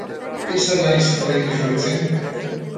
Ez al haiz oraindik jabetzen?